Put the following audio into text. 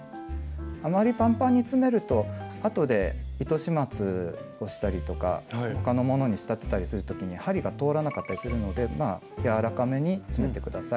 あまりパンパンに詰めるとあとで糸始末をしたりとか他のものに仕立てたりする時に針が通らなかったりするので柔らかめに詰めて下さい。